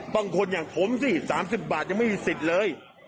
บางคนอย่างผมสิ๓๐บาทยังไม่มีสิทธิ์เลย